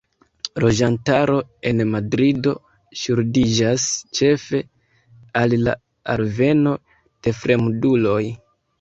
Loĝantaro en Madrido ŝuldiĝas ĉefe al la alveno de fremduloj.